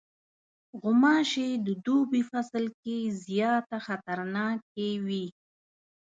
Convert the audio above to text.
غوماشې د دوبی فصل کې زیاته خطرناکې وي.